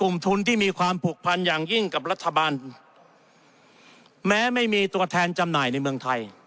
ทุนที่มีความผูกพันอย่างยิ่งกับรัฐบาลแม้ไม่มีตัวแทนจำหน่ายในเมืองไทย